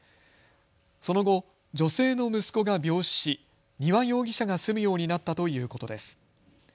その後、女性の息子が病死し丹羽容疑者が住むようになったということです。